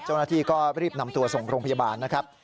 เจ้าหน้าที่ก็รีบนำตัวส่งโรงพยาบาลนะครับ